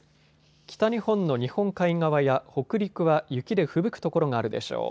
北日本の日本海側や北陸は雪でふぶく所があるでしょう。